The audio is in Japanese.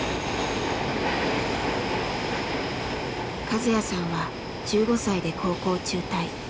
和哉さんは１５歳で高校中退。